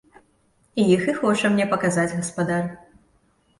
Іх і хоча мне паказаць гаспадар.